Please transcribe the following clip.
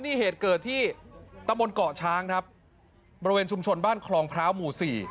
นี่เหตุเกิดที่ตะมนต์เกาะช้างครับบริเวณชุมชนบ้านคลองพร้าวหมู่สี่